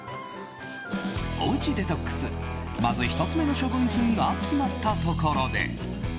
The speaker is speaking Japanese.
おうちデトックス、まず１つ目の処分品が決まったところで。